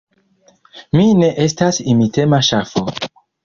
Mi ne estas imitema ŝafo.